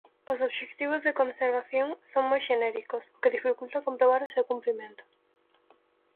Os obxectivos de conservación son moi xenéricos, o que dificulta comprobar o seu cumprimento.